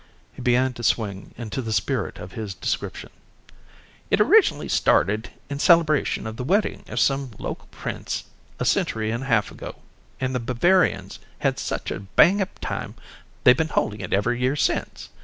He began to swing into the spirit of his description. "It originally started in celebration of the wedding of some local prince a century and a half ago and the Bavarians had such a bang up time they've been holding it every year since.